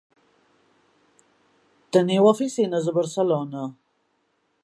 Teniu oficines a Barcelona?